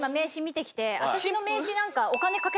私の名刺何か。